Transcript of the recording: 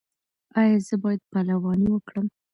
ایا زه باید پلوانی وکړم؟